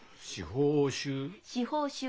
司法修？